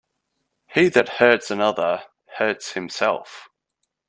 He that hurts another, hurts himself.